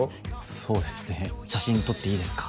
そうですね「写真撮っていいですか？」